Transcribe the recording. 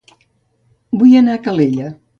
Vull anar a Calella